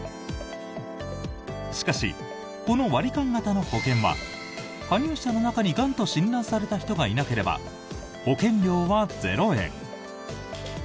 しかし、この割り勘型の保険は加入者の中にがんと診断された人がいなければ保険料は０円。